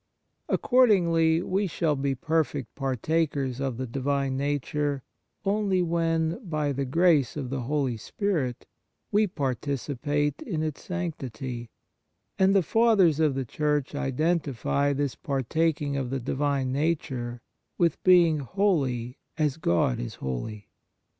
Accordingly, we shall be perfect partakers of the Divine Nature only when, by the grace of the Holy Spirit, we participate in its sanctity ; and the Fathers of the Church identify this partaking of the Divine Nature with being holy as God is holy.